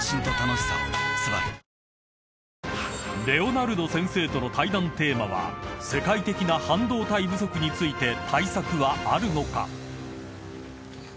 ［レオナルド先生との対談テーマは世界的な半導体不足について対策はあるのか］